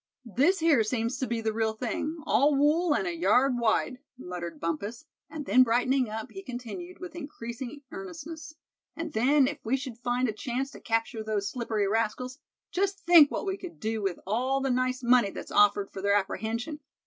"This here seems to be the real thing, all wool, and a yard wide," muttered Bumpus; and then brightening up, he continued, with increasing earnestness: "and then, if we should find a chance to capture those slippery rascals, just think what we could do with all the nice money that's offered for their apprehension?